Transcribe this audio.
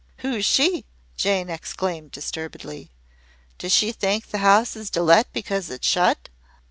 "Who's she?" Jane exclaimed disturbedly. "Does she think the house is to let because it's shut?"